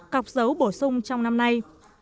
cọc dấu bổ sung trong năm nay